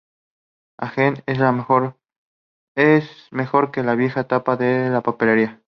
Agent: "¡Es mejor que la vieja tapa de la papelera!